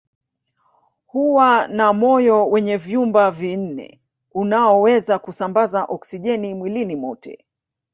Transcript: Huwa na moyo wenye vyumba vinne unaoweza kusambaza oksijeni mwilini mote